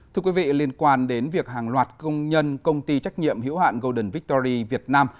thưa quý vị liên quan đến việc hàng loạt công nhân công ty trách nhiệm hiểu hạn golden victory việt nam